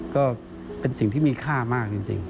ก็มีค่ามากจริง